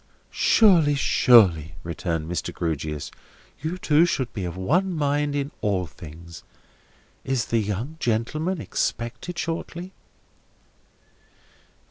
"Surely, surely," returned Mr. Grewgious. "You two should be of one mind in all things. Is the young gentleman expected shortly?"